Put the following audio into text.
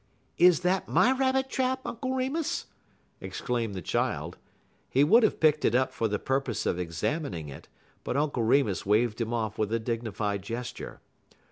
"Is that my rabbit trap, Uncle Remus?" exclaimed the child. He would have picked it up for the purpose of examining it, but Uncle Remus waved him off with a dignified gesture.